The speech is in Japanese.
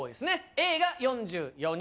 Ａが４４人。